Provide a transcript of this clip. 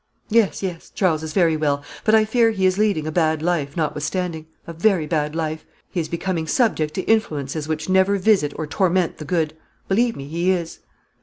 Yes, yes, Charles is very well; but I fear he is leading a bad life, notwithstanding a very bad life. He is becoming subject to influences which never visit or torment the good; believe me, he is."